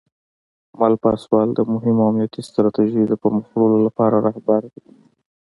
مل پاسوال د مهمو امنیتي ستراتیژیو د پرمخ وړلو لپاره رهبر دی.